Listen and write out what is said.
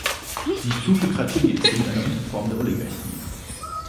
Die Plutokratie ist somit eine Unterform der Oligarchie.